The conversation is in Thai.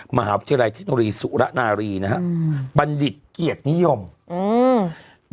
มหาวิทยาลัยเทคโนโลยีสุระนารีนะฮะอืมบัณฑิตเกียรตินิยมอืม